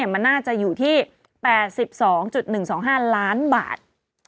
มันน่าจะอยู่ที่๘๒๑๒๕ล้านบาท